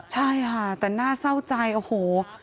ใช่ค่ะแต่น่าเศร้าใจโอ้โห